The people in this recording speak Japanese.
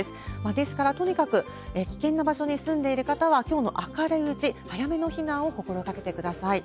ですから、とにかく危険な場所に住んでいる方は、きょうの明るいうち、早めの避難を心がけてください。